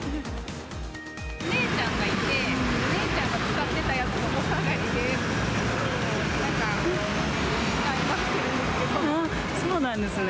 お姉ちゃんがいて、お姉ちゃんが使ってたやつをお下がりで、なんか使い回してるんでそうなんですね。